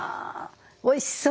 おいしそう。